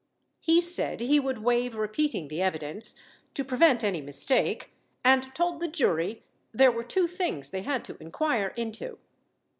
He said, he would waive repeating the evidence, to prevent any mistake, and told the jury there were two things they had to inquire into.